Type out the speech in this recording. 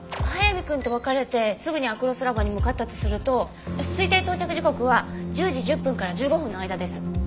速水くんと別れてすぐにアクロスラボに向かったとすると推定到着時刻は１０時１０分から１５分の間です。